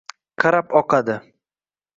qarab oqadi